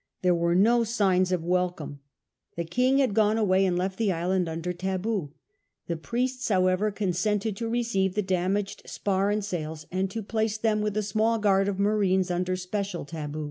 There were no signs of welcome. The king had gone away and left the island under tahu. The priests, however, consented to receive the damaged spir and sails and to place them with a small guard of marines under special tahi.